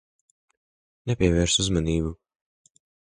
Nepievērs uzmanību.